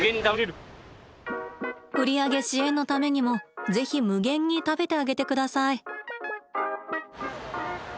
売り上げ支援のためにもぜひ無限に食べてあげて下さい。